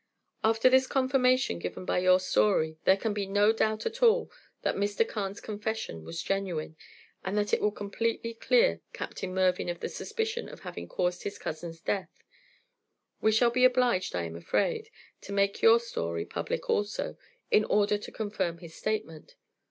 After this confirmation given by your story, there can be no doubt at all that Mr. Carne's confession was genuine, and that it will completely clear Captain Mervyn of the suspicion of having caused his cousin's death. We shall be obliged, I am afraid, to make your story public also, in order to confirm his statement.